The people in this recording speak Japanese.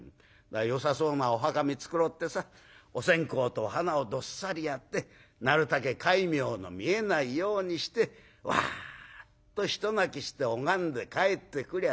よさそうなお墓見繕ってさお線香とお花をどっさりやってなるたけ戒名の見えないようにしてわっと一泣きして拝んで帰ってくりゃ